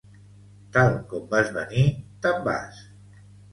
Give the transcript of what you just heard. Tal com vas venir te'n vas